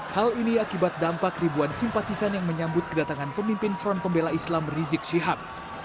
hal ini akibat dampak ribuan simpatisan yang menyambut kedatangan pemimpin front pembela islam rizik syihab